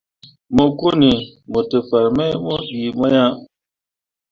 Mo kõoni mo te fah mai mu ɗii mo ah.